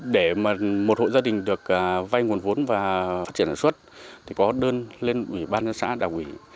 để mà một hộ gia đình được vay nguồn vốn và phát triển sản xuất thì có đơn lên ủy ban nhân xã đảng ủy